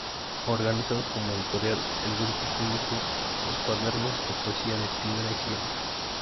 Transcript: Organizado como editorial, el grupo publicó los Cuadernos de Poesía de Piedra y Cielo.